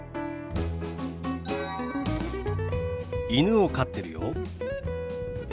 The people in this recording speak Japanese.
犬を飼ってるよ。